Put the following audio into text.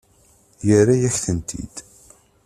Yerra-yak-tent-id.